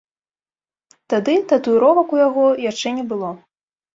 Тады татуіровак у яго яшчэ не было.